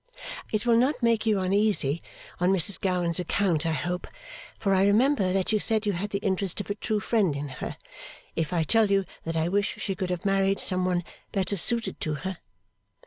It will not make you uneasy on Mrs Gowan's account, I hope for I remember that you said you had the interest of a true friend in her if I tell you that I wish she could have married some one better suited to her.